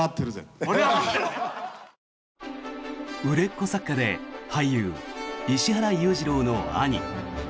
売れっ子作家で俳優石原裕次郎の兄。